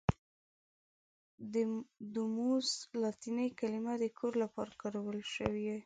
دوموس لاتیني کلمه د کور لپاره کارول شوې.